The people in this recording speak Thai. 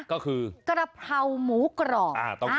ก็คือกะเพราหมูกรอบ